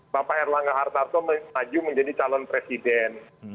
bapak erlangga hartarto maju menjadi calon presiden